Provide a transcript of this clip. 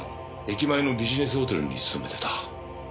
駅前のビジネスホテルに勤めてた。